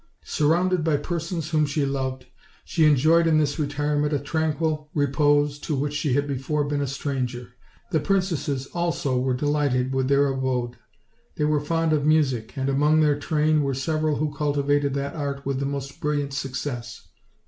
Surrounded by persons whom she loved, she enjoyed in this retirement a tranquil re pose to which she had before been a stranger. The princesses also were delighted with their abode. They were fond of music, and among their train were several who cultivated that art with the most brilliant success.